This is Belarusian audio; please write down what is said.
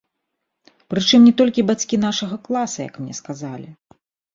Прычым не толькі бацькі нашага класа, як мне сказалі.